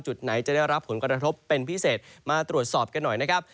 จุดไหนจะได้รับผลกระทบเป็นพิเศษมาตรวจสอบกันหน่อยนะครับ